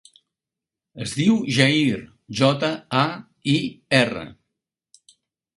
Es diu Jair: jota, a, i, erra.